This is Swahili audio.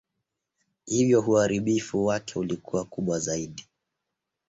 Hivyo uharibifu wake ulikuwa kubwa zaidi.